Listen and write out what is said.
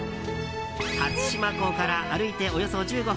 初島港から歩いておよそ１５分。